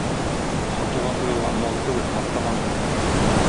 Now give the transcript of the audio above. Сатуга куелган мал түгел – мактама мине.